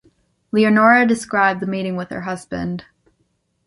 Leonora described the meeting with her husband.